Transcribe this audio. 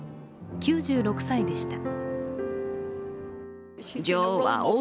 ９６歳でした。